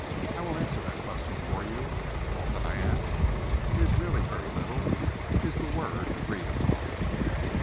I will answer that question for you. All that I ask it is really very little is the word agreed upon."